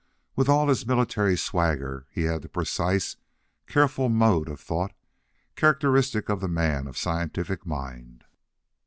With all his military swagger he had the precise, careful mode of thought characteristic of the man of scientific mind.